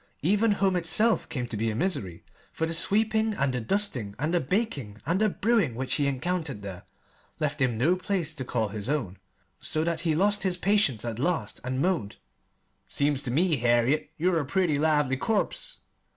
Even home itself came to be a misery, for the sweeping and the dusting and the baking and the brewing which he encountered there left him no place to call his own, so that he lost his patience at last and moaned: "Seems ter me, Harriet, you're a pretty lively corpse!"